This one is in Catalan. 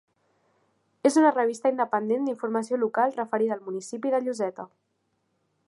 És una revista independent d'informació local referida al municipi de Lloseta.